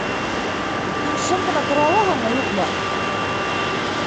— Һин шым ғына тора алаһыңмы, юҡмы?